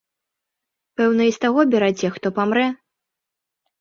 Пэўна і з таго бераце, хто памрэ?